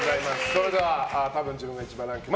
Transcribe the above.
それではたぶん自分が１番ランキング。